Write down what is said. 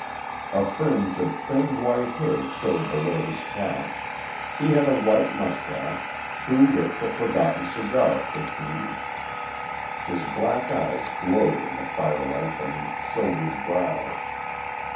A fringe of thin, white hair showed below his cap. He had a white mustache, through which a forgotten cigar protruded. His black eyes glowed in the firelight beneath silvered brows.